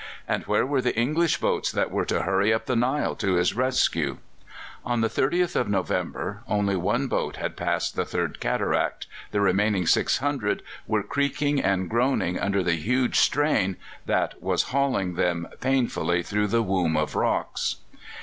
And where were the English boats that were to hurry up the Nile to his rescue? On the 30th of November only one boat had passed the third cataract, the remaining 600 were creaking and groaning under the huge strain that was hauling them painfully through the "Womb of Rocks."